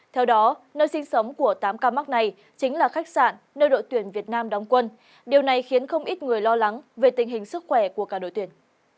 theo đó nơi sinh sống của tám ca mắc này chính là khách sạn nơi đội tuyển việt nam đóng quân điều này khiến không ít người lo lắng về tình hình sức khỏe của cả đội tuyển